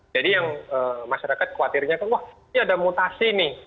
jadi yang masyarakat khawatirnya wah ini ada mutasi nih